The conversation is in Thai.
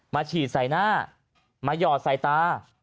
ฉีดใส่หน้ามาหยอดใส่ตา